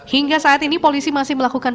hingga saat ini polisi masih melakukan